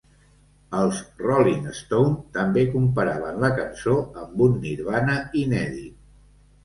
Els "Rolling Stone" també comparaven la cançó amb un "nirvana inèdit".